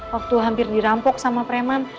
waktu hampir dirampok sama preman